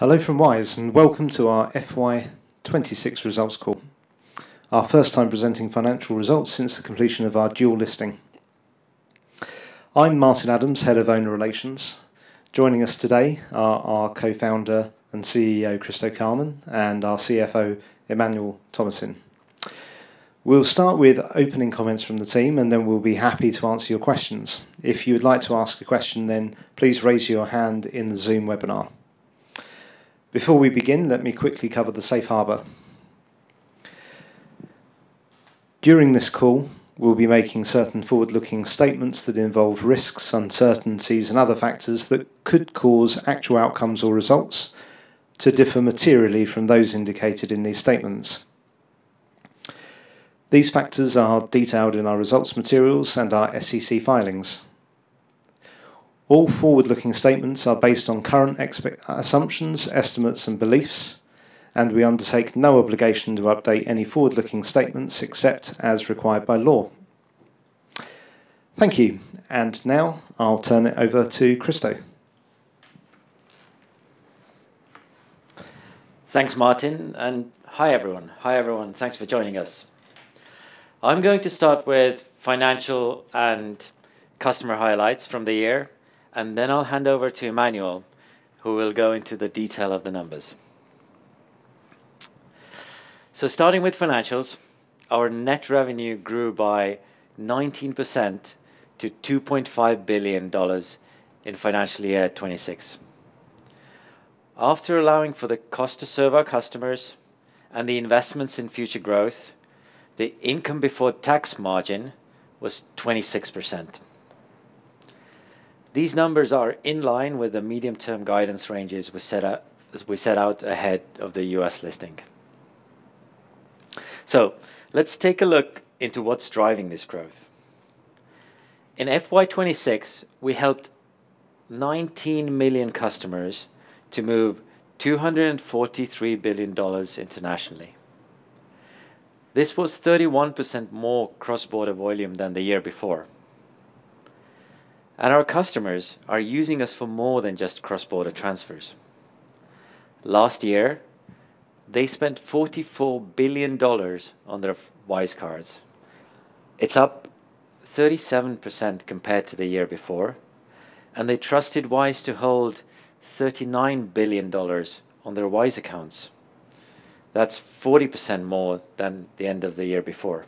Hello from Wise. welcome to our FY 2026 Results Call. Our first time presenting financial results since the completion of our dual listing. I'm Martin Adams, Head of Owner Relations. Joining us today are our Co-founder and CEO, Kristo Käärmann, and our CFO, Emmanuel Thomassin. We'll start with opening comments from the team, we'll be happy to answer your questions. If you would like to ask a question, please raise your hand in the Zoom webinar. Before we begin, let me quickly cover the safe harbor. During this call, we'll be making certain forward-looking statements that involve risks, uncertainties, and other factors that could cause actual outcomes or results to differ materially from those indicated in these statements. These factors are detailed in our results materials and our SEC filings. All forward-looking statements are based on current assumptions, estimates, and beliefs, we undertake no obligation to update any forward-looking statements except as required by law. Thank you. Now I'll turn it over to Kristo. Thanks, Martin, and hi, everyone. Thanks for joining us. I'm going to start with financial and customer highlights from the year, I'll hand over to Emmanuel, who will go into the detail of the numbers. Starting with financials, our net revenue grew by 19% to $2.5 billion in financial year 2026. After allowing for the cost to serve our customers and the investments in future growth, the income before tax margin was 26%. These numbers are in line with the medium-term guidance ranges we set out ahead of the U.S. listing. Let's take a look into what's driving this growth. In FY 2026, we helped 19 million customers to move $243 billion internationally. This was 31% more cross-border volume than the year before. Our customers are using us for more than just cross-border transfers. Last year, they spent $44 billion on their Wise cards. It's up 37% compared to the year before, they trusted Wise to hold $39 billion on their Wise accounts. That's 40% more than the end of the year before.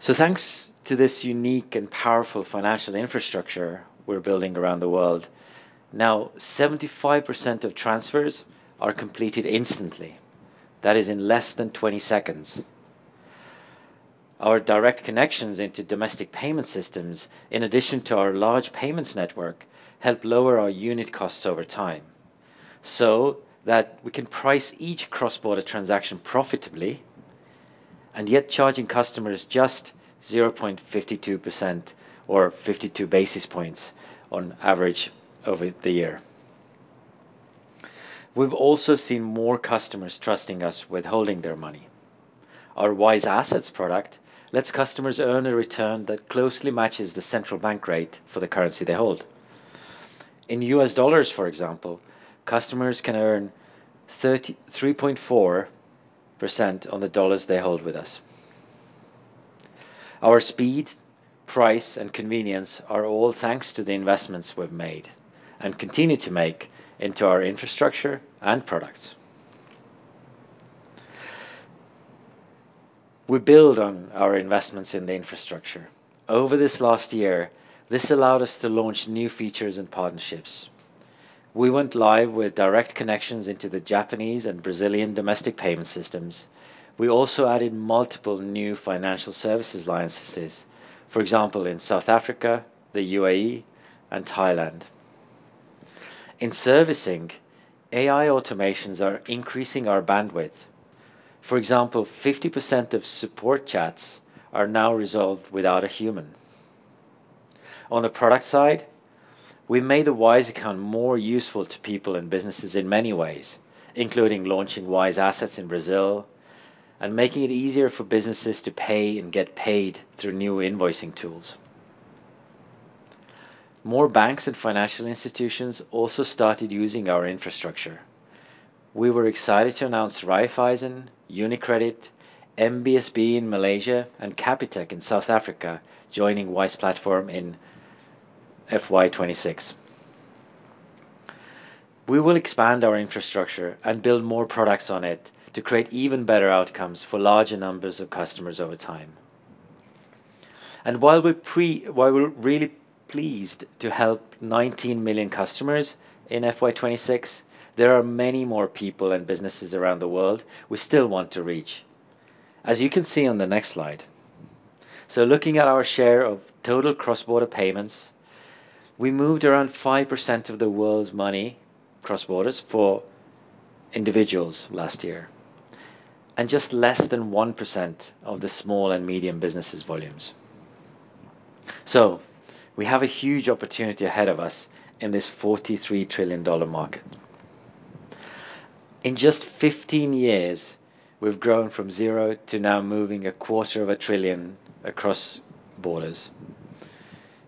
Thanks to this unique and powerful financial infrastructure we're building around the world, now 75% of transfers are completed instantly. That is in less than 20 seconds. Our direct connections into domestic payment systems, in addition to our large payments network, help lower our unit costs over time so that we can price each cross-border transaction profitably, yet charging customers just 0.52% or 52 basis points on average over the year. We've also seen more customers trusting us with holding their money. Our Wise Assets product lets customers earn a return that closely matches the central bank rate for the currency they hold. In US dollars, for example, customers can earn 3.4% on the dollars they hold with us. Our speed, price, and convenience are all thanks to the investments we've made and continue to make into our infrastructure and products. We build on our investments in the infrastructure. Over this last year, this allowed us to launch new features and partnerships. We went live with direct connections into the Japanese and Brazilian domestic payment systems. We also added multiple new financial services licenses. For example, in South Africa, the UAE, and Thailand. In servicing, AI automations are increasing our bandwidth. For example, 50% of support chats are now resolved without a human. On the product side, we made the Wise account more useful to people and businesses in many ways, including launching Wise assets in Brazil and making it easier for businesses to pay and get paid through new invoicing tools. More banks and financial institutions also started using our infrastructure. We were excited to announce Raiffeisen, UniCredit, MBSB in Malaysia, and Capitec in South Africa are joining Wise platform in FY 2026. We will expand our infrastructure and build more products on it to create even better outcomes for larger numbers of customers over time. While we're really pleased to help 19 million customers in FY 2026, there are many more people and businesses around the world we still want to reach, as you can see on the next slide. Looking at our share of total cross-border payments, we moved around 5% of the world's money cross-border for individuals last year and just less than 1% of the small and medium businesses' volumes. We have a huge opportunity ahead of us in this $43 trillion market. In just 15 years, we've grown from zero to now moving a quarter of a trillion across borders.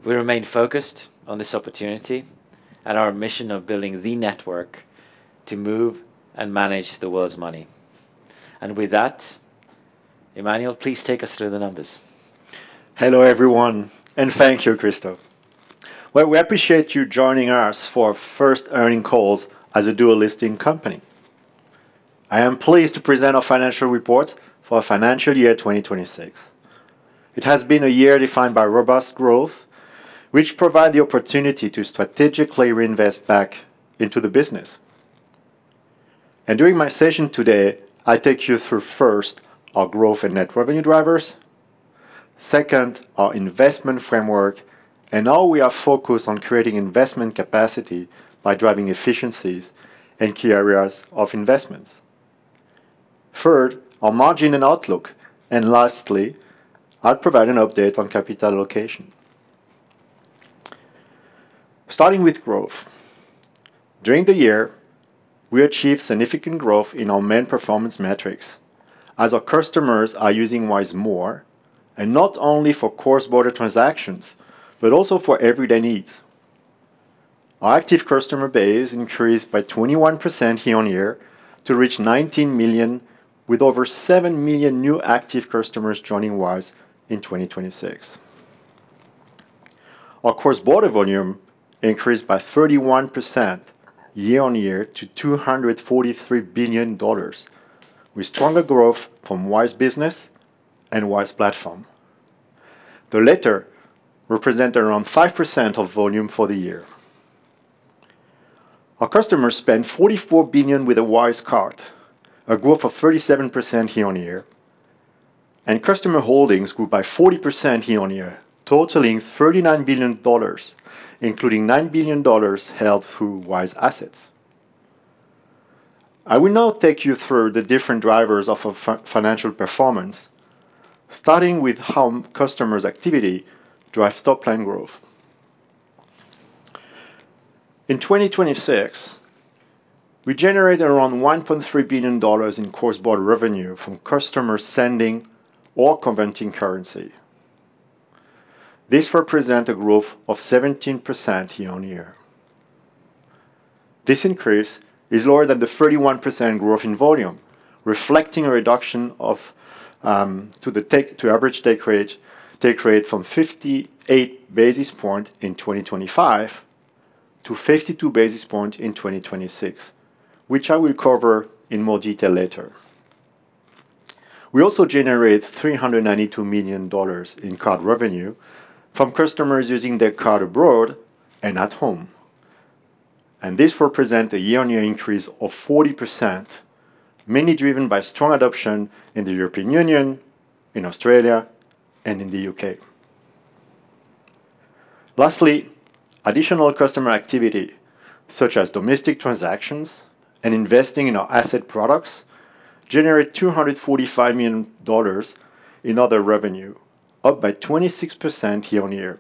We remain focused on this opportunity and our mission of building the network to move and manage the world's money. With that, Emmanuel, please take us through the numbers. Hello, everyone, and thank you, Kristo. We appreciate you joining us for our first earnings call as a dual-listing company. I am pleased to present our financial report for financial year 2026. It has been a year defined by robust growth, which provides the opportunity to strategically reinvest back into the business. During my session today, I take you through, first, our growth and net revenue drivers. Second, our investment framework and how we are focused on creating investment capacity by driving efficiencies in key areas of investments. Third, our margin and outlook. Lastly, I'll provide an update on capital allocation. Starting with growth. During the year, we achieved significant growth in our main performance metrics as our customers are using Wise more, and not only for cross-border transactions but also for everyday needs. Our active customer base increased by 21% year-on-year to reach 19 million, with over seven million new active customers joining Wise in 2026. Our cross-border volume increased by 31% year-on-year to $243 billion, with stronger growth from Wise business and Wise platform. The latter represents around 5% of volume for the year. Our customers spent $44 billion with a Wise card, a growth of 37% year-on-year, and customer holdings grew by 40% year-on-year, totaling $39 billion, including $9 billion held through Wise assets. I will now take you through the different drivers of our financial performance, starting with how customers' activity drives top-line growth. In 2026, we generated around $1.3 billion in cross-border revenue from customers sending or converting currency. This represents a growth of 17% year-on-year. This increase is lower than the 31% growth in volume, reflecting a reduction in average take rate from 58 basis points in 2025 to 52 basis points in 2026, which I will cover in more detail later. We also generate $392 million in card revenue from customers using their card abroad and at home. This represent a year-on-year increase of 40%, mainly driven by strong adoption in the European Union, in Australia, and in the U.K. Lastly, additional customer activity, such as domestic transactions and investing in our asset products, generates $245 million in other revenue, up by 26% year-on-year.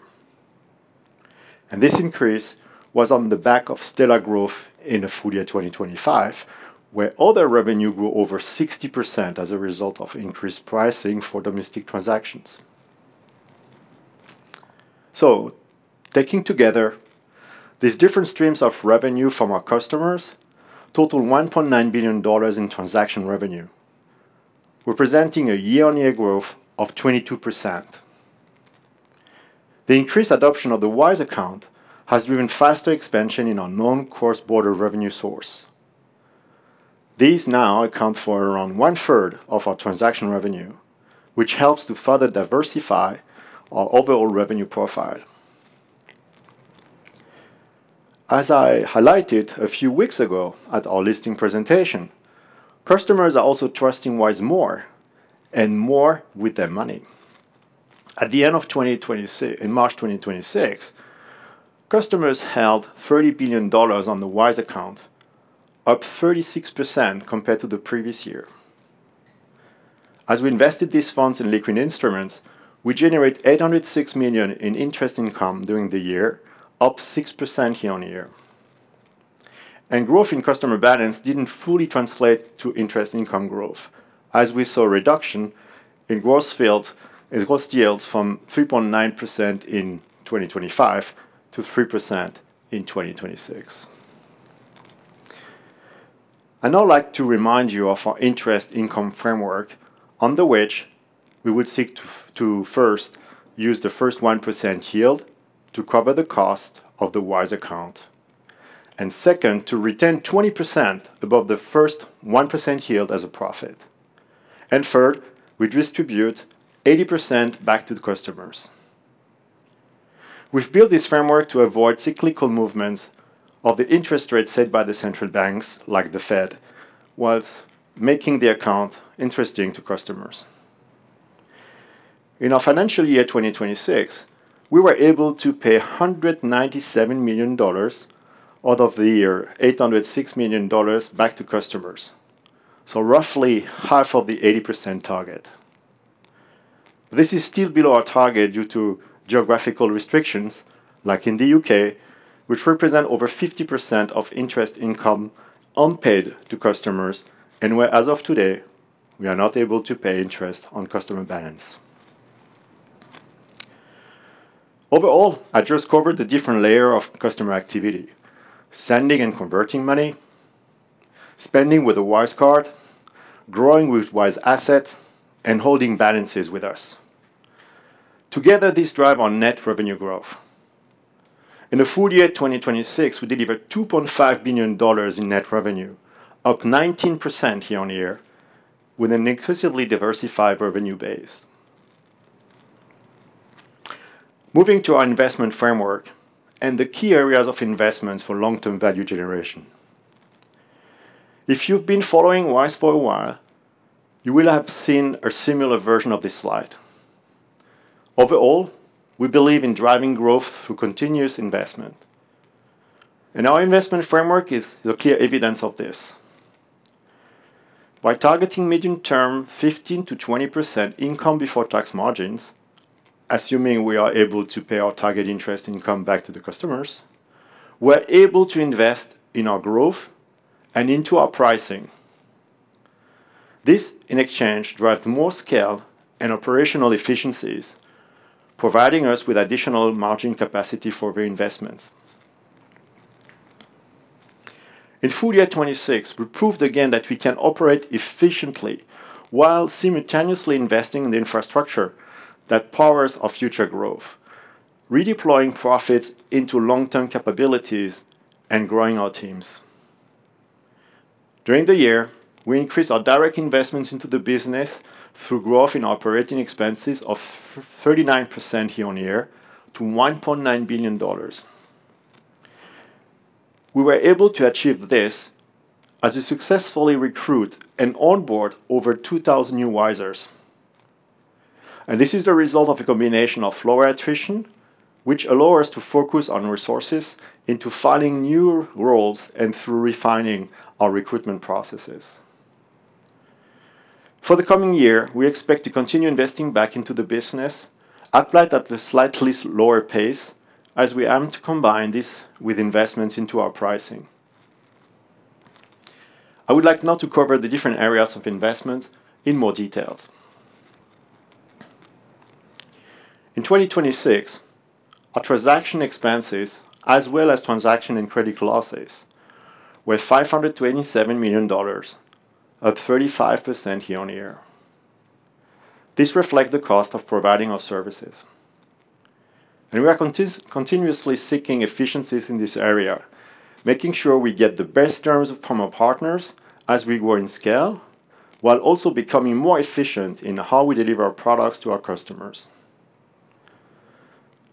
This increase was on the back of stellar growth in the full year 2025, where other revenue grew over 60% as a result of increased pricing for domestic transactions. Taken together, these different streams of revenue from our customers total $1.9 billion in transaction revenue, representing a year-on-year growth of 22%. The increased adoption of the Wise Account has driven faster expansion in our non-cross-border revenue source. These now account for around one-third of our transaction revenue, which helps to further diversify our overall revenue profile. As I highlighted a few weeks ago at our listing presentation, customers are also trusting Wise more and more with their money. At the end of March 2026, customers held $30 billion on the Wise Account, up 36% compared to the previous year. As we invested these funds in liquid instruments, we generated $806 million in interest income during the year, up 6% year-on-year. Growth in customer balance didn't fully translate to interest income growth, as we saw a reduction in gross yields from 3.9% in 2025 to 3% in 2026. I'd now like to remind you of our interest income framework under which we would seek to first use the first 1% yield to cover the cost of the Wise account. Second, to retain 20% above the first 1% yield as a profit. Third, we distribute 80% back to the customers. We've built this framework to avoid cyclical movements of the interest rate set by the central banks, like the Fed, while making the account interesting to customers. In our financial year 2026, we were able to pay $197 million out of the year and $806 million back to customers. Roughly half of the 80% target. This is still below our target due to geographical restrictions, like in the U.K., which represents over 50% of interest income unpaid to customers and where, as of today, we are not able to pay interest on customer balances. Overall, I just covered the different layers of customer activity: sending and converting money, spending with a Wise card, growing with Wise assets, and holding balances with us. Together, these drive our net revenue growth. In the full year 2026, we delivered $2.5 billion in net revenue, up 19% year-on-year, with an increasingly diversified revenue base. Moving to our investment framework and the key areas of investments for long-term value generation. If you've been following Wise for a while, you will have seen a similar version of this slide. Overall, we believe in driving growth through continuous investment. Our investment framework is the clear evidence of this. By targeting medium-term 15%-20% income before tax margins, assuming we are able to pay our target interest income back to the customers, we are able to invest in our growth and in our pricing. This, in exchange, drives more scale and operational efficiencies, providing us with additional margin capacity for reinvestments. In the full year 2026, we proved again that we can operate efficiently while simultaneously investing in the infrastructure that powers our future growth, redeploying profits into long-term capabilities and growing our teams. During the year, we increased our direct investments into the business through growth in operating expenses of 39% year-on-year to $1.9 billion. We were able to achieve this as we successfully recruited and onboarded over 2,000 new Wisers. This is the result of a combination of lower attrition, which allows us to focus on resources into filling new roles, and refining our recruitment processes. For the coming year, we expect to continue investing back into the business, applied at a slightly lower pace as we aim to combine this with investments into our pricing. I would like now to cover the different areas of investments in more details. In 2026, our transaction expenses, as well as transaction and credit losses, were $527 million, up 35% year-on-year. This reflects the cost of providing our services. We are continuously seeking efficiencies in this area, making sure we get the best terms from our partners as we grow in scale, while also becoming more efficient in how we deliver our products to our customers.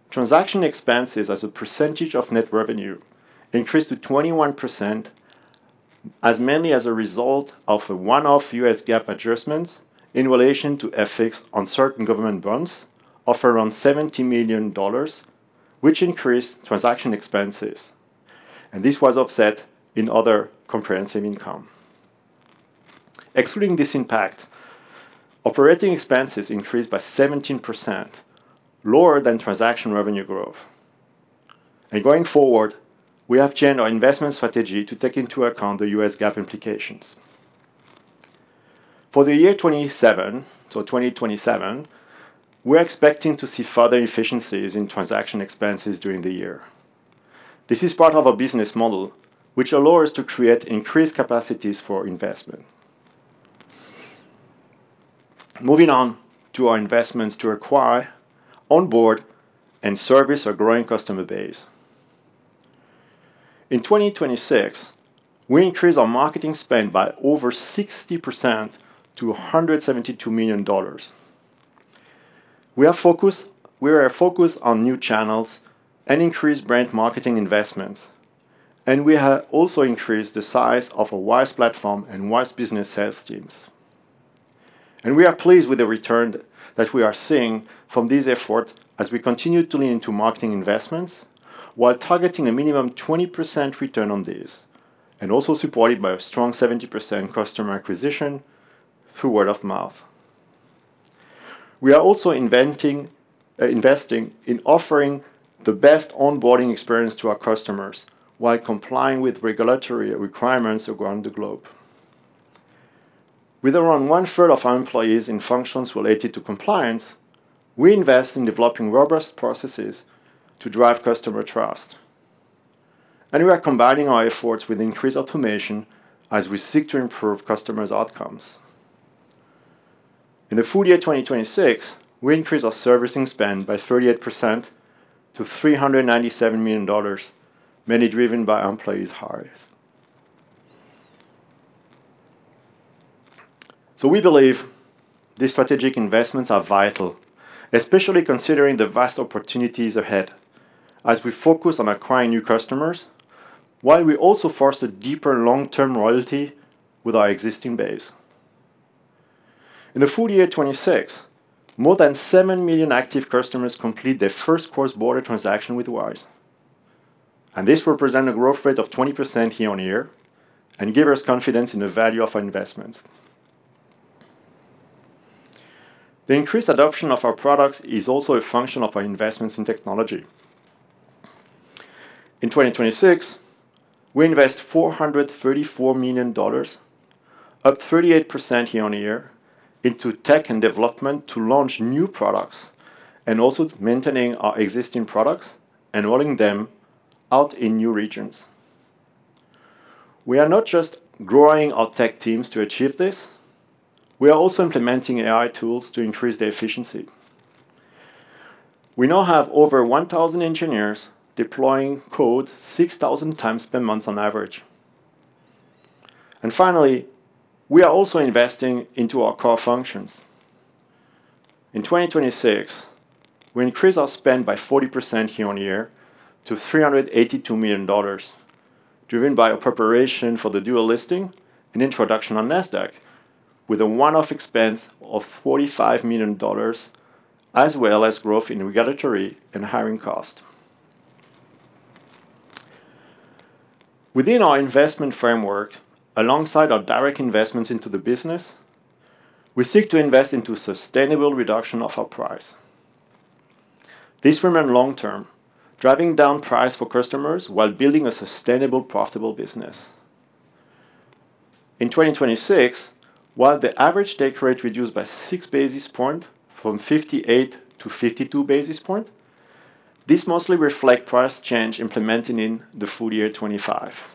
Transaction expenses as a percentage of net revenue increased to 21%, mainly as a result of a one-off US GAAP adjustment in relation to FX on certain government bonds of around $70 million, which increased transaction expenses. This was offset in other comprehensive income. Excluding this impact, operating expenses increased by 17%, lower than transaction revenue growth. Going forward, we have changed our investment strategy to take into account the US GAAP implications. For the year 2027, so, 2027, we are expecting to see further efficiencies in transaction expenses during the year. This is part of our business model, which allows us to create increased capacities for investment. Moving on to our investments to acquire, onboard, and service our growing customer base. In 2026, we increased our marketing spend by over 60% to $172 million. We are focused on new channels and increased brand marketing investments. We have also increased the size of our Wise platform and Wise business sales teams. We are pleased with the return that we are seeing from this effort as we continue to lean into marketing investments while targeting a minimum 20% return on this, also supported by a strong 70% customer acquisition through word of mouth. We are also investing in offering the best onboarding experience to our customers while complying with regulatory requirements around the globe. With around one-third of our employees in functions related to compliance, we invest in developing robust processes to drive customer trust. We are combining our efforts with increased automation as we seek to improve customers' outcomes. In the full year 2026, we increased our servicing spend by 38% to $397 million, mainly driven by our employee hires. We believe these strategic investments are vital, especially considering the vast opportunities ahead as we focus on acquiring new customers, while we also foster deeper long-term loyalty with our existing base. In the full year 2026, more than seven million active customers completed their first cross-border transaction with Wise. This will present a growth rate of 20% year-on-year and give us confidence in the value of our investments. The increased adoption of our products is also a function of our investments in technology. In 2026, we invest $434 million, up 38% year-on-year, into tech and development to launch new products and also to maintain our existing products and roll them out in new regions. We are not just growing our tech teams to achieve this. We are also implementing AI tools to increase efficiency. We now have over 1,000 engineers deploying code 6,000 times per month on average. Finally, we are also investing in our core functions. In 2026, we increase our spend by 40% year-on-year to $382 million, driven by our preparation for the dual listing and introduction on Nasdaq, with a one-off expense of $45 million, as well as growth in regulatory and hiring costs. Within our investment framework, alongside our direct investments into the business, we seek to invest in the sustainable reduction of our price. This remains long-term, driving down prices for customers while building a sustainable, profitable business. In 2026, while the average take rate reduced by six basis points from 58 to 52 basis points, this mostly reflects the price change implemented in the full year 2025.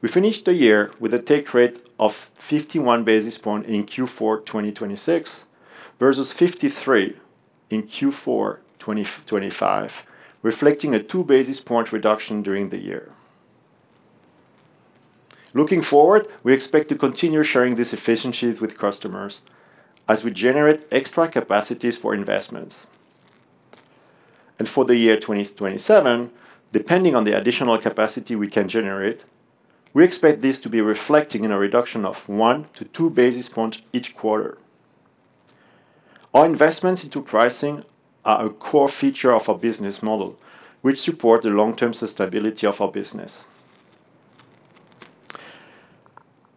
We finished the year with a take rate of 51 basis points in Q4 2026 versus 53 in Q4 2025, reflecting a two-basis-point reduction during the year. Looking forward, we expect to continue sharing these efficiencies with customers as we generate extra capacities for investments. For the year 2027, depending on the additional capacity we can generate, we expect this to be reflected in a reduction of one to two basis points each quarter. Our investments into pricing are a core feature of our business model, which support the long-term sustainability of our business.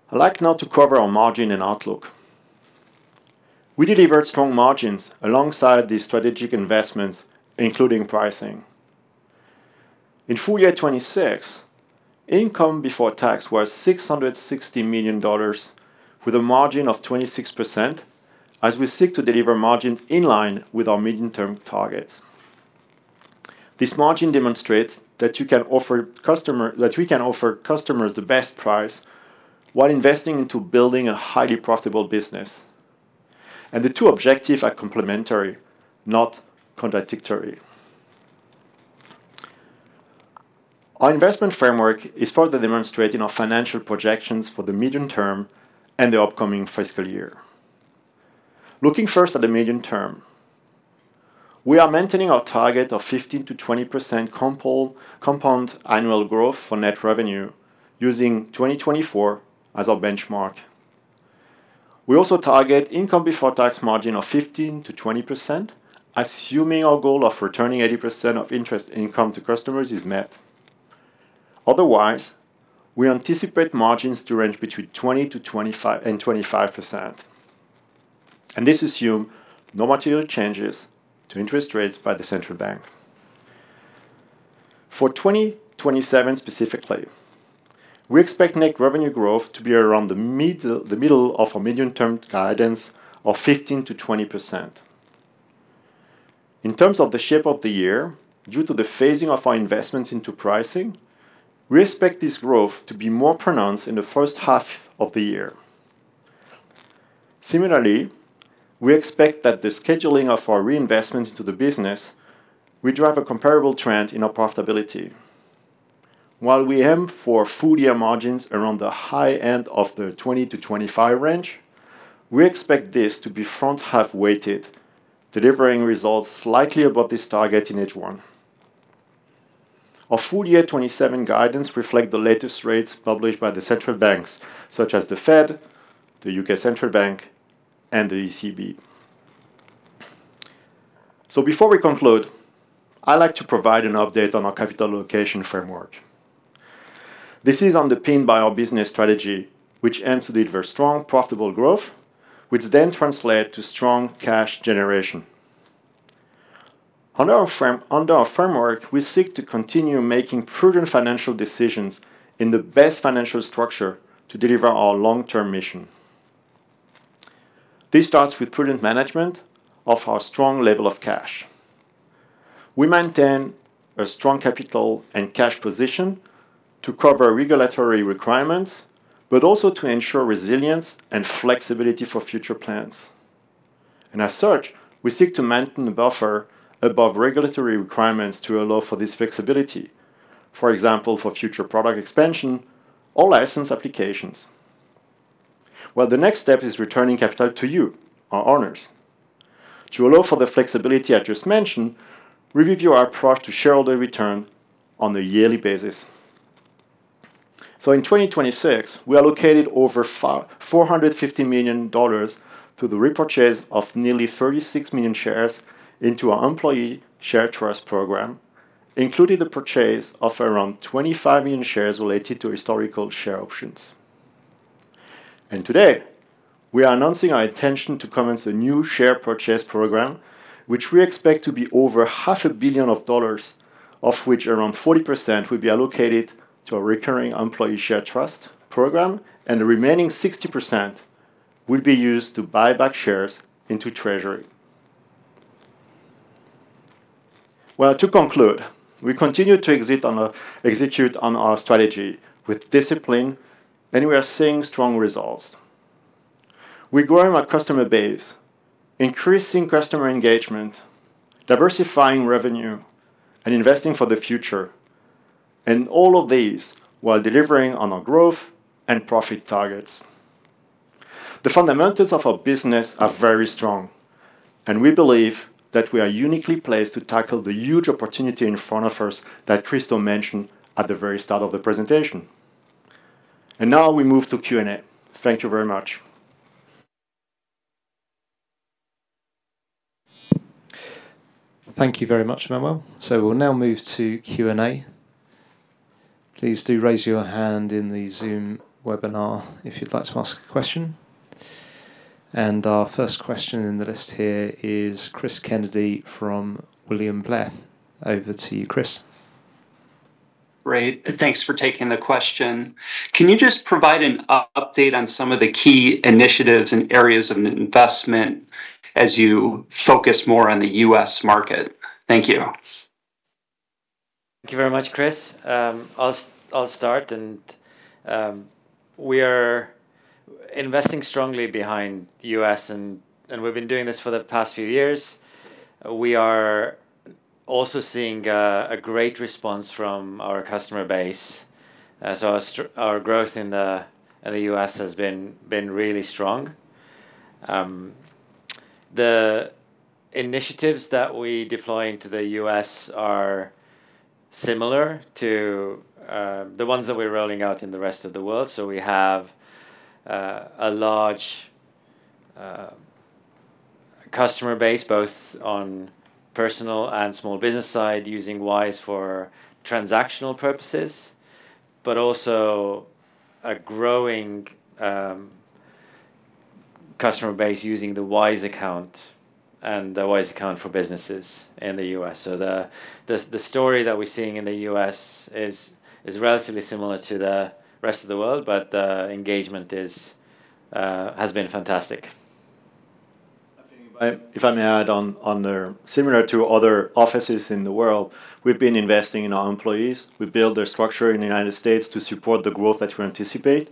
I'd like now to cover our margin and outlook. We delivered strong margins alongside these strategic investments, including pricing. In the full year 2026, income before tax was $660 million, with a margin of 26%, as we seek to deliver a margin in line with our medium-term targets. This margin demonstrates that we can offer customers the best price while investing in building a highly profitable business. The two objectives are complementary, not contradictory. Our investment framework is further demonstrated in our financial projections for the medium term and the upcoming fiscal year. Looking first at the medium term, we are maintaining our target of 15%-20% compound annual growth for net revenue using 2024 as our benchmark. We also target an income before tax margin of 15%-20%, assuming our goal of returning 80% of interest income to customers is met. Otherwise, we anticipate margins to range between 20% and 25%. This assumes no material changes to interest rates by the Central Bank. For 2027 specifically, we expect net revenue growth to be around the middle of our medium-term guidance of 15%-20%. In terms of the shape of the year, due to the phasing of our investments into pricing, we expect this growth to be more pronounced in the first half of the year. Similarly, we expect that the scheduling of our reinvestments to the business will drive a comparable trend in our profitability. While we aim for full-year margins around the high-end of the 20%-25% range, we expect this to be front-half weighted, delivering results slightly above this target in H1. Our full-year 2027 guidance reflects the latest rates published by the Central Banks such as the Fed, the U.K. Central Bank, and the ECB. Before we conclude, I'd like to provide an update on our capital allocation framework. This is underpinned by our business strategy, which aims to deliver strong, profitable growth, which then translates to strong cash generation. Under our framework, we seek to continue making prudent financial decisions in the best financial structure to deliver our long-term mission. This starts with prudent management of our strong level of cash. We maintain a strong capital and cash position to cover regulatory requirements but also to ensure resilience and flexibility for future plans. As such, we seek to maintain a buffer above regulatory requirements to allow for this flexibility, for example, for future product expansion or license applications. The next step is returning capital to you, our owners. To allow for the flexibility I just mentioned, we review our approach to shareholder return on a yearly basis. In 2026, we allocated over $450 million to the repurchase of nearly 36 million shares into our employee share trust program, including the purchase of around 25 million shares related to historical share options. Today, we are announcing our intention to commence a new share purchase program, which we expect to be over half a billion dollars, of which around 40% will be allocated to a recurring employee share trust program, and the remaining 60% will be used to buy back shares into treasury. To conclude, we continue to execute on our strategy with discipline, and we are seeing strong results. We're growing our customer base, increasing customer engagement, diversifying revenue, and investing for the future. All of these while delivering on our growth and profit targets. The fundamentals of our business are very strong, and we believe that we are uniquely placed to tackle the huge opportunity in front of us that Kristo mentioned at the very start of the presentation. Now we move to Q&A. Thank you very much. Thank you very much, Emmanuel. We'll now move to Q&A. Please do raise your hand in the Zoom webinar if you'd like to ask a question. Our first question in the list here is Cris Kennedy from William Blair. Over to you, Cris. Great. Thanks for taking the question. Can you just provide an update on some of the key initiatives and areas of investment as you focus more on the U.S. market? Thank you. Thank you very much, Cris. I'll start. We are investing strongly in the U.S.; we've been doing this for the past few years. We are also seeing a great response from our customer base. Our growth in the U.S. has been really strong. The initiatives that we deploy into the U.S. are similar to the ones that we're rolling out in the rest of the world. We have a large customer base, both on personal and small business side, using Wise for transactional purposes, but also a growing customer base using the Wise account and the Wise business in the U.S. The story that we're seeing in the U.S. is relatively similar to the rest of the world, but the engagement has been fantastic. If I may add on there. Similar to other offices in the world, we've been investing in our employees. We built a structure in the United States to support the growth that we anticipate.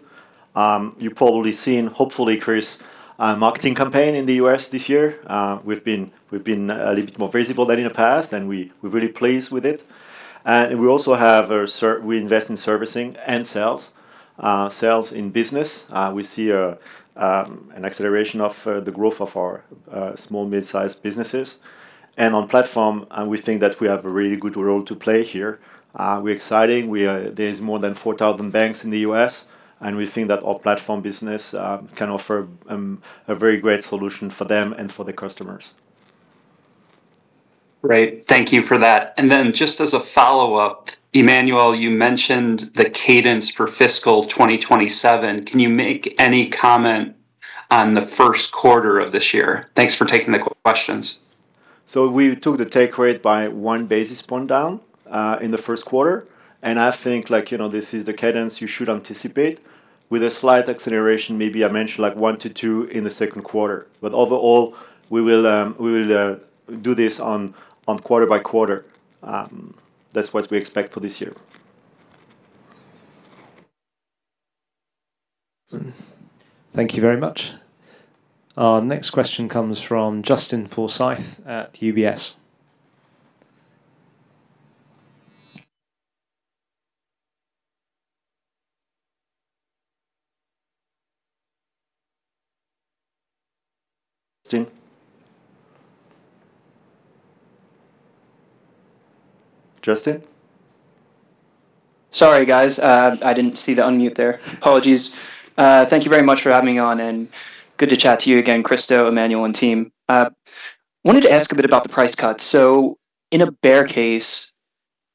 You've probably seen, hopefully, Cris, a marketing campaign in the U.S. this year. We've been a little bit more visible than in the past, and we're really pleased with it. We invest in servicing and sales. Sales in business. We see an acceleration of the growth of our small midsize businesses. On the platform, we think that we have a really good role to play here. We're excited. There are more than 4,000 banks in the U.S., and we think that our platform business can offer a very great solution for them and for the customers. Great. Thank you for that. Just as a follow-up, Emmanuel, you mentioned the cadence for fiscal 2027. Can you make any comment on the first quarter of this year? Thanks for taking the questions. We took the take rate by one basis point down in the first quarter. I think this is the cadence you should anticipate with a slight acceleration, maybe I mentioned one to two in the second quarter. Overall, we will do this quarter by quarter. That's what we expect for this year. Thank you very much. Our next question comes from Justin Forsythe at UBS. Justin? Justin? Sorry, guys. I didn't see the unmute there. Apologies. Thank you very much for having me on; it's good to chat with you again, Kristo, Emmanuel, and team. Wanted to ask a bit about the price cut. In a bear case,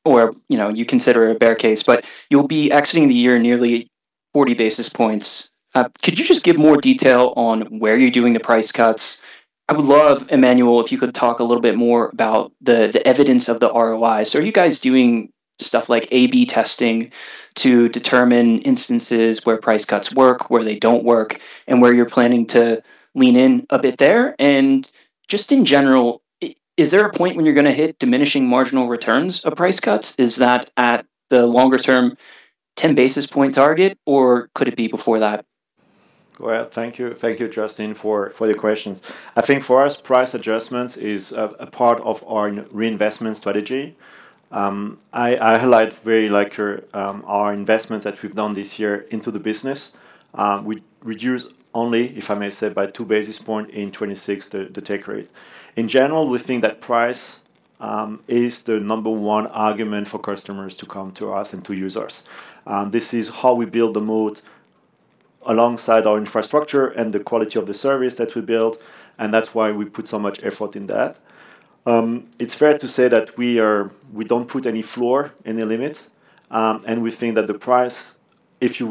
you consider it a bear case, but you'll be exiting the year with nearly 40 basis points. Could you just give more detail on where you're doing the price cuts? I would love, Emmanuel, if you could talk a little more about the evidence of the ROI. Are you guys doing stuff like A/B testing to determine instances where price cuts work, where they don't work, and where you're planning to lean in a bit there? Just in general, is there a point when you're going to hit diminishing marginal returns of price cuts? Is that at the longer-term 10 basis point target, or could it be before that? Well, thank you. Thank you, Justin, for your questions. I think for us, price adjustments are a part of our reinvestment strategy. I highlight our investments that we've done this year into the business. We reduce only, if I may say, by two basis points in 2026 the take rate. In general, we think that price is the number one argument for customers to come to us and to use us. This is how we build the moat alongside our infrastructure and the quality of the service that we build, and that's why we put so much effort into that. It's fair to say that we don't put any floor or any limits, and we think that the price, if you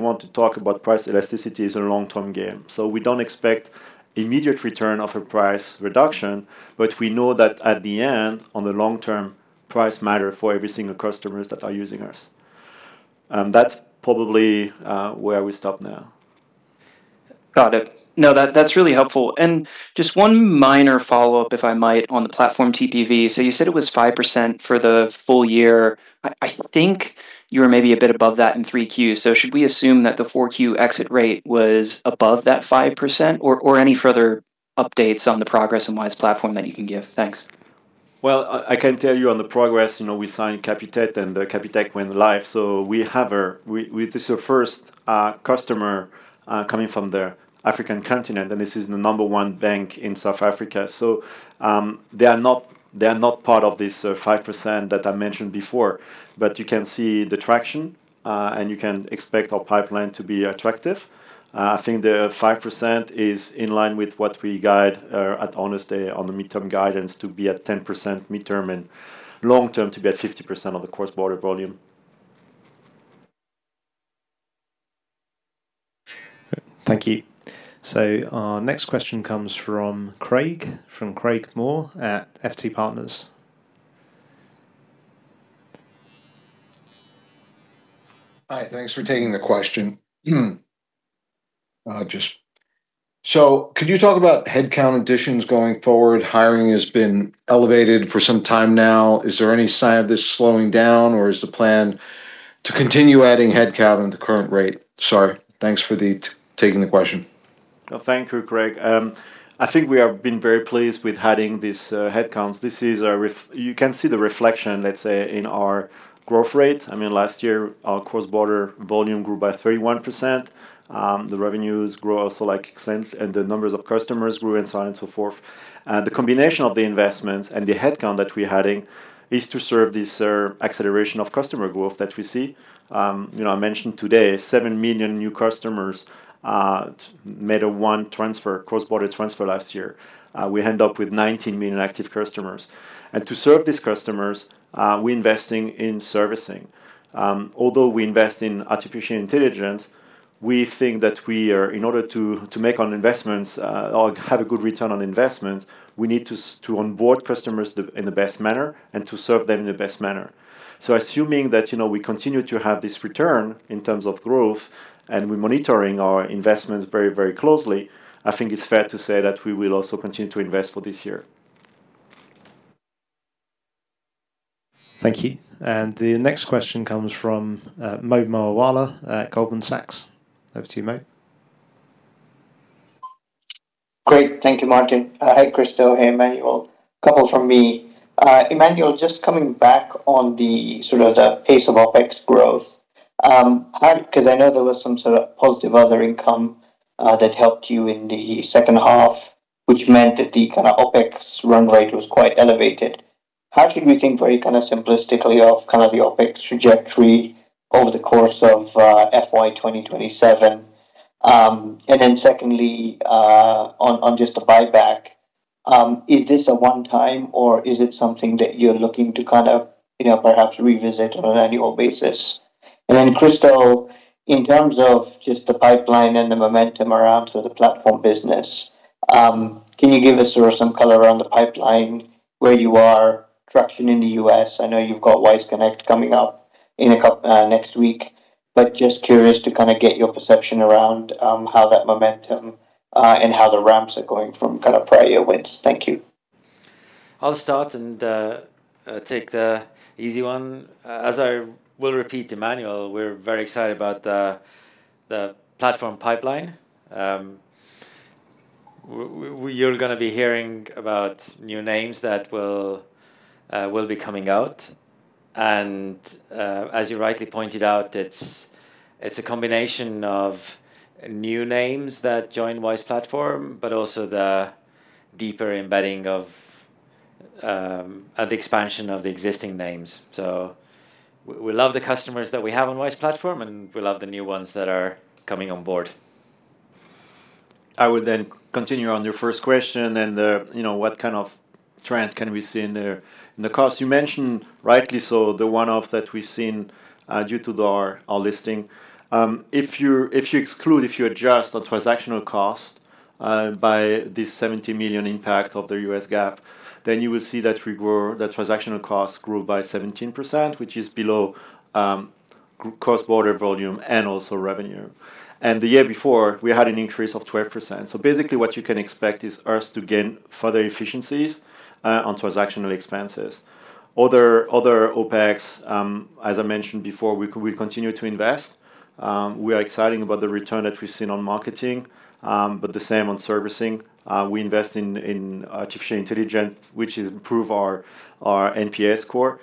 want to talk about price elasticity, is a long-term game. We don't expect an immediate return of a price reduction, but we know that in the end, in the long term, price matters for every single customer that is using us. That's probably where we stop now. Got it. No, that's really helpful. Just one minor follow-up, if I might, on the Platform TPV. You said it was 5% for the full year. I think you were maybe a bit above that in Q3. Should we assume that the Q4 exit rate was above that 5%? Any further updates on the progress on Wise platform that you can give? Thanks. Well, I can tell you on the progress: we signed Capitec, and Capitec went live. This is our first customer coming from the African continent, and this is the number one bank in South Africa. They are not part of this 5% that I mentioned before, but you can see the traction, and you can expect our pipeline to be attractive. I think the 5% is in line with what we guide at Investor Day on the midterm guidance to be at 10% midterm and long-term to be at 50% of the cross-border volume. Thank you. Our next question comes from Craig Maurer at FT Partners. Hi. Thanks for taking the question. Could you talk about headcount additions going forward? Hiring has been elevated for some time now. Is there any sign of this slowing down, or is the plan to continue adding headcount at the current rate? Sorry. Thanks for taking the question. No, thank you, Craig. I think we have been very pleased with adding these headcounts. You can see the reflection, let's say, in our growth rate. Last year, our cross-border volume grew by 31%. The revenues also grew like a percentage, and the numbers of customers grew, and so on and so forth. The combination of the investments and the headcount that we're adding is to serve this acceleration of customer growth that we see. I mentioned today seven million new customers made one cross-border transfer last year. We end up with 19 million active customers. To serve these customers, we're investing in servicing. Although we invest in artificial intelligence, we think that in order to make investments or have a good return on investment, we need to onboard customers in the best manner and to serve them in the best manner. Assuming that we continue to have this return in terms of growth, and we're monitoring our investments very closely, I think it's fair to say that we will also continue to invest for this year. Thank you. The next question comes from Mohammed Moawalla at Goldman Sachs. Over to you, Mo. Great. Thank you, Martin. Hi, Kristo. Hey, Emmanuel. Couple from me. Emmanuel, just coming back on the sort of the pace of OpEx growth, because I know there was some sort of positive other income that helped you in the second half, which meant that the kind of OpEx run rate was quite elevated. How should we think very simplistically of the OpEx trajectory over the course of FY 2027? Secondly, on just the buyback, is this a one-time thing, or is it something that you're looking to perhaps revisit on an annual basis? Kristo, in terms of just the pipeline and the momentum around the sort of platform business, can you give us some color around the pipeline, where you are, and traction in the U.S.? I know you've got Wise Connect coming up next week; I'm just curious to kind of get your perception around how that momentum and how the ramps are going from kind of prior wins. Thank you. I'll start and take the easy one. As I will repeat to Emmanuel, we're very excited about the platform pipeline. You're going to be hearing about new names that will be coming out, and as you rightly pointed out, it's a combination of new names that join the Wise platform but also the deeper embedding of the expansion of the existing names. We love the customers that we have on Wise platform, and we love the new ones that are coming on board. I would continue on your first question and what kind of trend we can see in the costs. You mentioned, rightly so, the one-off that we've seen due to our listing. If you exclude, if you adjust our transactional cost by the $70 million impact of the US GAAP, you will see that transactional costs grew by 17%, which is below cross-border volume and also below revenue. The year before, we had an increase of 12%. Basically, what you can expect is us to gain further efficiencies on transactional expenses. Other OpEx, as I mentioned before, we continue to invest in. We are excited about the return that we've seen on marketing but not the same on servicing. We invest in artificial intelligence, which improves our NPS score.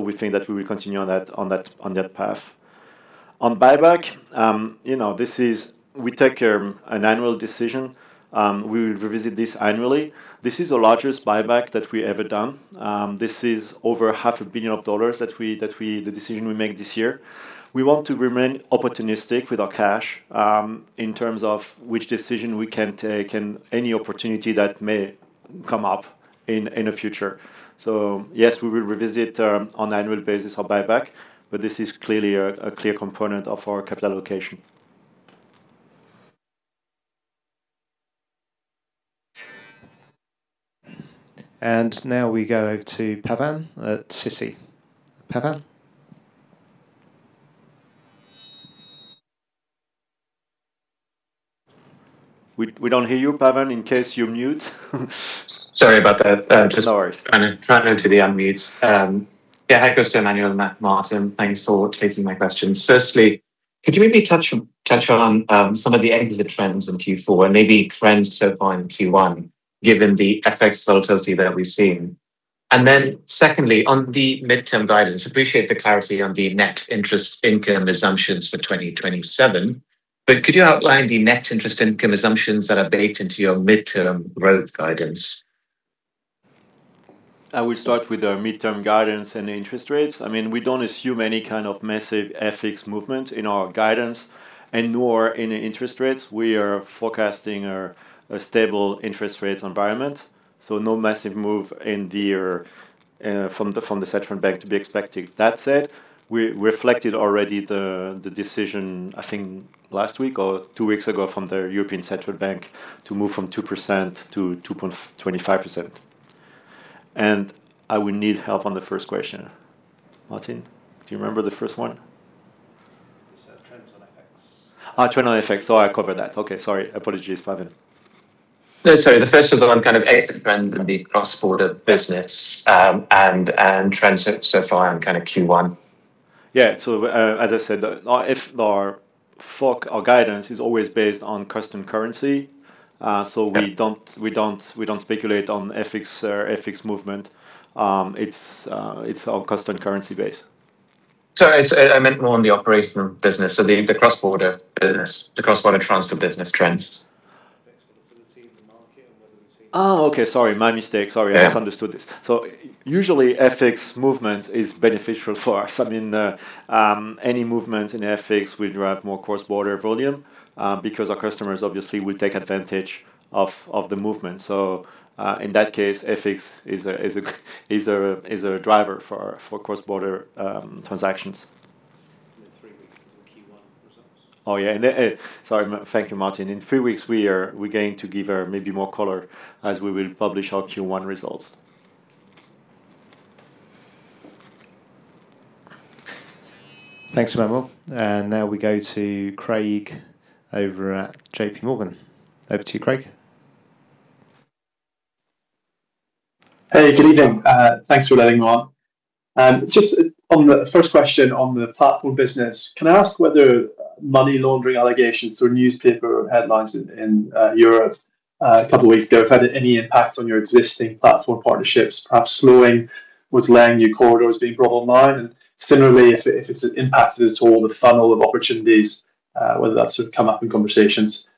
We think that we will continue on that path. On buyback, we take an annual decision. We will revisit this annually. This is the largest buyback that we have ever done. This is over half a billion dollars, the decision we make this year. We want to remain opportunistic with our cash in terms of which decision we can take and any opportunity that may come up in the future. Yes, we will revisit on an annual basis our buyback, but this is clearly a clear component of our capital allocation. Now we go to Pavan at Citi. Pavan? We don't hear you, Pavan, in case you are muted. Sorry about that. No worries. Just trying to unmute. Hi, Kristo, Emmanuel, and Martin. Thanks for taking my questions. Firstly, could you maybe touch on some of the exit trends in Q4, and maybe trends so far in Q1, given the FX volatility that we've seen? Secondly, on the midterm guidance, appreciate the clarity on the net interest income assumptions for 2027. Could you outline the net interest income assumptions that are baked into your midterm growth guidance? I will start with our midterm guidance and interest rates. We don't assume any kind of massive FX movement in our guidance, nor any interest rates. We are forecasting a stable interest rate environment, so no massive move from the Central Bank to be expected. That said, we already reflected on the decision, I think last week or two weeks ago, from the European Central Bank to move from 2% to 2.25%. I will need help on the first question. Martin, do you remember the first one? He said trends on FX. Trend on FX. Oh, I covered that. Okay. Sorry. Apologies, Pavan. No, sorry. The first was on kind of exit trends in the cross-border business, trends so far in kind of Q1. Yeah. As I said, our guidance is always based on constant currency. Yeah. We don't speculate on FX movement. It's all constant currency based. Sorry. I meant more on the operational business and the cross-border transfer business trends. FX volatility in the market. Oh, okay. Sorry, my mistake. Sorry. Yeah. I misunderstood this. Usually, FX movement is beneficial for us. Any movement in FX will drive more cross-border volume, because our customers obviously will take advantage of the movement. In that case, FX is a driver for cross-border transactions. In the three weeks since the Q1 results. Oh, yeah. Sorry. Thank you, Martin. In three weeks, we're going to give maybe more color, as we will publish our Q1 results. Thanks, Emmanuel. Now we go to Craig over at J.P. Morgan. Over to you, Craig. Hey, good evening. Thanks for letting me on. Just on the first question on the platform business, can I ask whether money laundering allegations or newspaper headlines in Europe a couple of weeks ago have had any impact on your existing platform partnerships, perhaps slowing what's delaying new corridors being brought online? Similarly, if it's impacted at all, the funnel of opportunities, whether that's sort of come up in conversations.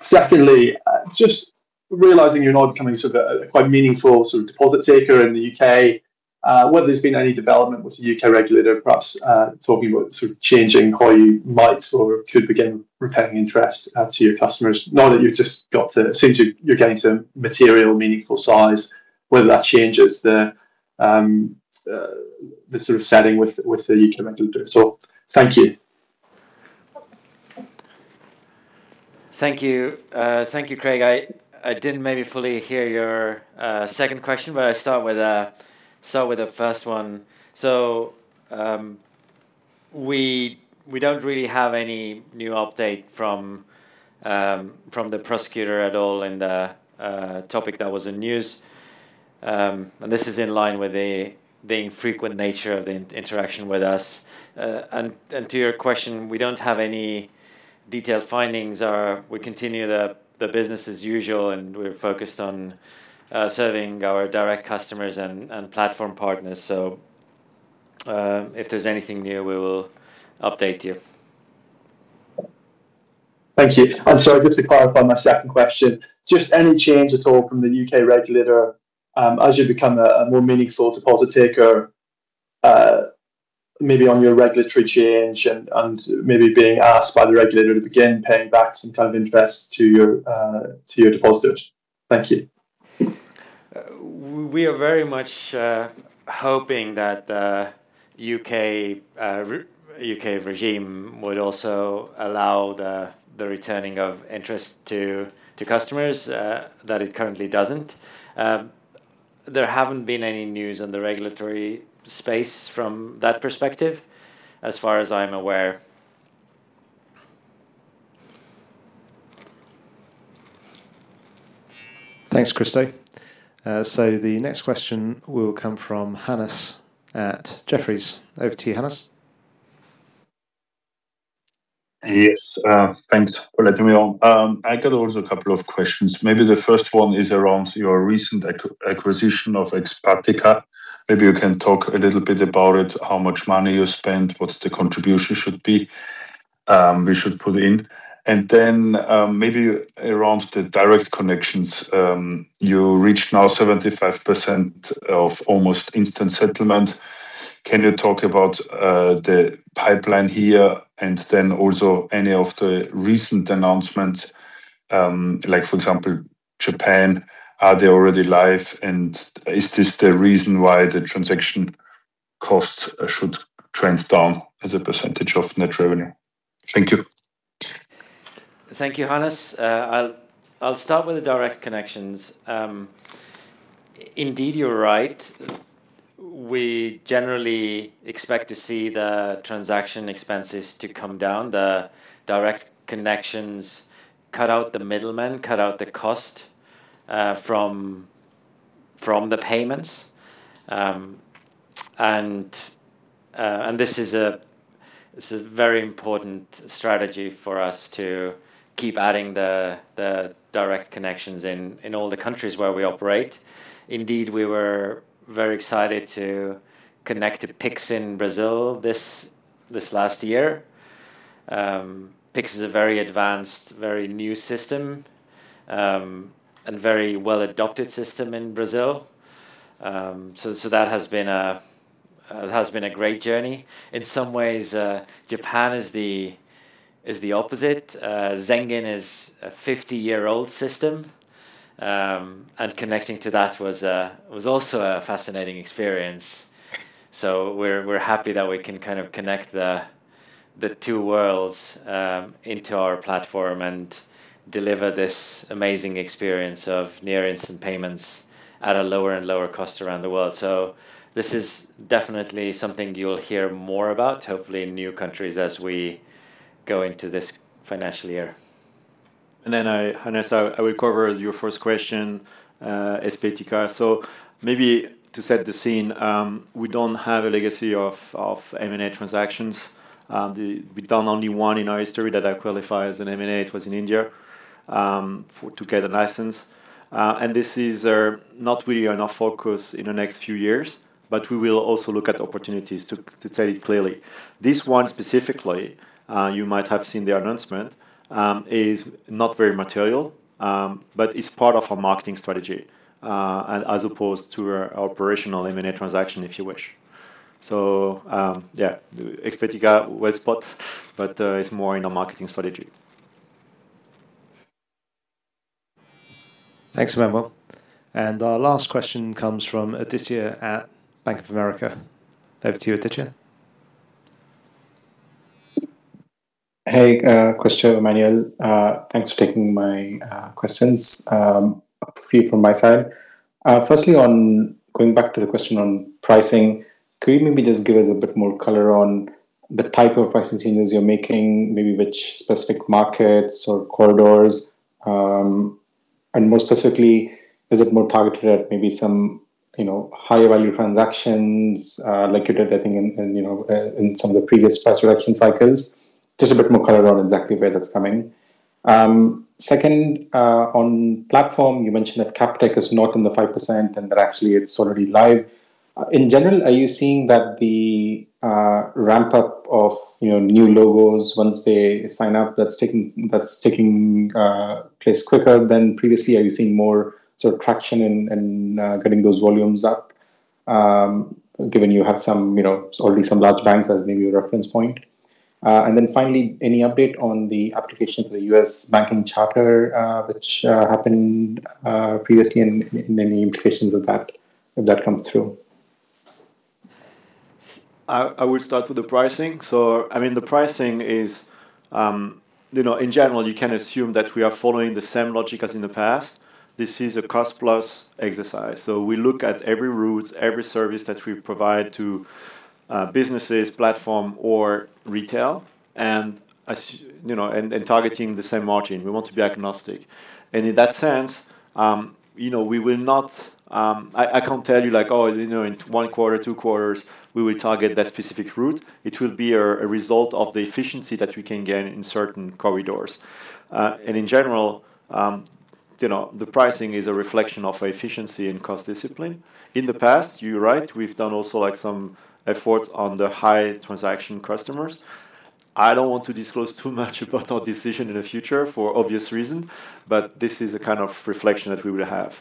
Secondly, just realizing you're now becoming sort of a quite meaningful sort of deposit taker in the U.K., whether there's been any development with the U.K. regulator, perhaps, talking about sort of changing how you might or could begin repaying interest to your customers. Now that it seems you're getting some material of meaningful size, whether that changes the sort of setting with the U.K. regulator at all. Thank you. Thank you. Thank you, Craig. I didn't maybe fully hear your second question, I'll start with the first one. We don't really have any new update from the prosecutor at all on the topic that was in the news. This is in line with the infrequent nature of the interaction with us. To your question, we don't have any detailed findings. We continue the business as usual, and we're focused on serving our direct customers and platform partners. If there's anything new, we will update you. Thank you. Sorry, just to clarify my second question. Just any change at all from the U.K. regulator, as you become a more meaningful deposit taker, maybe in your regulatory change and maybe being asked by the regulator to begin paying back some kind of interest to your depositors. Thank you. We are very much hoping that the U.K. regime would also allow the returning of interest to customers, which it currently doesn't. There hasn't been any news on the regulatory space from that perspective, as far as I'm aware. Thanks, Kristo. The next question will come from Hannes at Jefferies. Over to you, Hannes. Yes. Thanks for letting me on. I also got a couple of questions. Maybe the first one is around your recent acquisition of Expatica. Maybe you can talk a little bit about it, how much money you spent, what the contribution should be that we should put in. Then maybe around the direct connections. You have now reached 75% of almost instant settlement. Can you talk about the pipeline here and then also any of the recent announcements, like, for example, Japan? Are they already live, and is this the reason why the transaction costs should trend down as a percentage of net revenue? Thank you. Thank you, Hannes. I'll start with the direct connections. Indeed, you're right. We generally expect to see the transaction expenses to come down. The direct connections cut out the middleman and cut out the cost from the payments. This is a very important strategy for us to keep adding the direct connections in all the countries where we operate. Indeed, we were very excited to connect to Pix in Brazil this last year. Pix is a very advanced, very new, and very well-adopted system in Brazil. That has been a great journey. In some ways, Japan is the opposite. Zengin is a 50-year-old system, and connecting to that was also a fascinating experience. We're happy that we can kind of connect the two worlds into our platform and deliver this amazing experience of near-instant payments at a lower and lower cost around the world. This is definitely something you'll hear more about, hopefully in new countries as we go into this financial year. Hannes, I will cover your first question, Expatica. Maybe to set the scene, we don't have a legacy of M&A transactions. We've done only one in our history that qualifies as an M&A. It was in India to get a license. This is not really our focus in the next few years, but we will also look at opportunities to tell it clearly. This one specifically, you might have seen the announcement, is not very material, but it's part of our marketing strategy as opposed to our operational M&A transaction, if you wish. Yeah, Expatica, well spotted, but it's more in our marketing strategy. Thanks, Emmanuel. Our last question comes from Aditya at Bank of America. Over to you, Aditya. Hey, Kristo, Emmanuel. Thanks for taking my questions. A few from my side. On going back to the question on pricing, could you maybe just give us a bit more color on the type of pricing changes you're making, maybe in which specific markets or corridors? More specifically, is it more targeted at maybe some higher-value transactions like you did, I think, in some of the previous price reduction cycles? Just a bit more color on exactly where that's coming. On the platform, you mentioned that Capitec is not in the 5%, and that actually it's already live. In general, are you seeing that the ramp-up of new logos once they sign up is taking place quicker than previously? Are you seeing more sort of traction in getting those volumes up, given you already have some large banks as maybe a reference point? Finally, any update on the application for the U.S. banking charter, which happened previously, and any implications of that if that comes through? I will start with the pricing. The pricing is, in general, you can assume that we are following the same logic as in the past. This is a cost-plus exercise. We look at every route and every service that we provide to businesses, platforms, or retail, and we target the same margin. We want to be agnostic. In that sense, I can't tell you, like, Oh, in one quarter, two quarters, we will target that specific route. It will be a result of the efficiency that we can gain in certain corridors. In general, the pricing is a reflection of efficiency and cost discipline. In the past, you're right, we've also done some efforts on the high-transaction customers. I don't want to disclose too much about our decision in the future for obvious reasons, but this is a kind of reflection that we will have.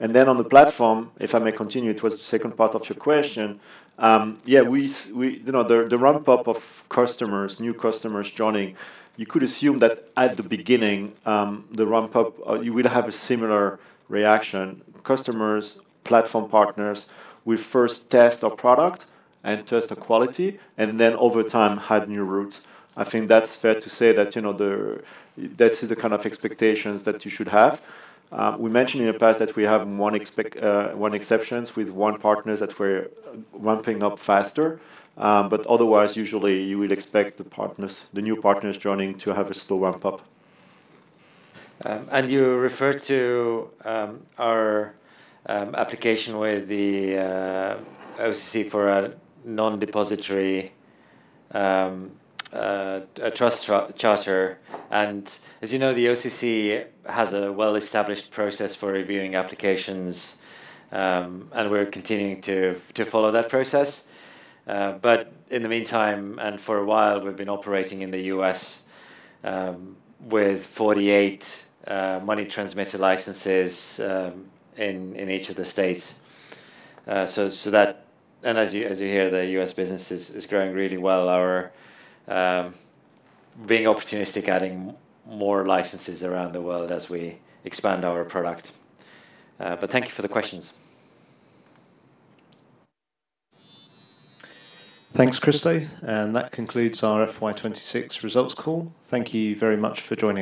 On the platform, if I may continue, towards the second part of your question. The ramp-up of customers, new customers joining, you could assume that at the beginning, the ramp-up, you will have a similar reaction. Customers and platform partners will first test our product and test the quality, then over time add new routes. I think it's fair to say that those are the kinds of expectations that you should have. We mentioned in the past that we have one exception with one partner that we're ramping up faster than. Otherwise, usually you will expect the new partners joining to have a slow ramp-up. You referred to our application with the OCC for a non-depository trust charter. As you know, the OCC has a well-established process for reviewing applications, and we're continuing to follow that process. In the meantime, and for a while, we've been operating in the U.S. with 48 money transmitter licenses in each of the states. As you hear, the U.S. business is growing really well. We're being opportunistic, adding more licenses around the world as we expand our product. Thank you for the questions. Thanks, Kristo. That concludes our FY 2026 results call. Thank you very much for joining us.